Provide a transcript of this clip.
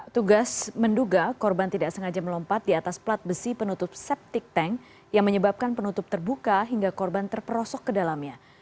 tugas menduga korban tidak sengaja melompat di atas plat besi penutup septic tank yang menyebabkan penutup terbuka hingga korban terperosok ke dalamnya